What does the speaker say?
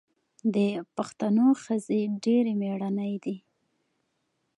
د پښتنو ښځې ډیرې میړنۍ دي.